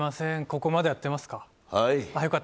ここ、まだやってますか？